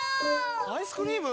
アイスクリーム？